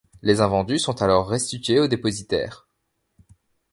Les invendus sont alors restitués au dépositaire.